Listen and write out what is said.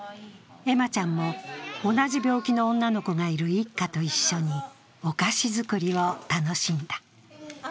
恵麻ちゃんも同じ病気の女の子がいる一家と一緒にお菓子作りを楽しんだ。